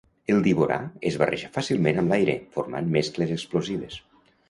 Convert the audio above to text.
El diborà es barreja fàcilment amb l'aire, formant mescles explosives.